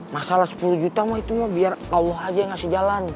masalah sepuluh juta mah itu mah biar allah aja yang ngasih jalan